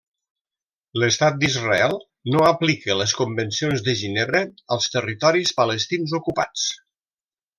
L'Estat d'Israel no aplica les Convencions de Ginebra als territoris palestins ocupats.